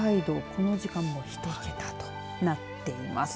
この時間も１桁となっています。